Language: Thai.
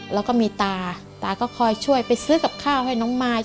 แล้วก็มีตาตาก็คอยช่วยไปซื้อกับข้าวให้น้องมาย